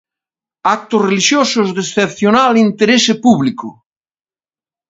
Actos relixiosos "de excepcional interese público".